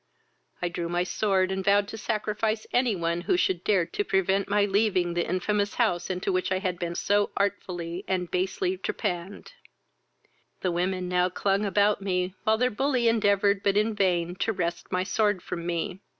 I drew my sword, and vowed to sacrifice any one who should dare to prevent my leaving the infamous house into which I had been so artfully and basely trepanned. The women now clung about me, while their bully endeavoured, but in vain, to wrest my sword from me.